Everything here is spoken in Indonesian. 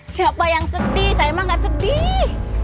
siapa yang sedih saya emang gak sedih